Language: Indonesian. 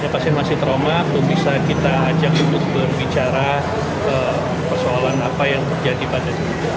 pasien masih trauma belum bisa kita ajak untuk berbicara persoalan apa yang terjadi pada kita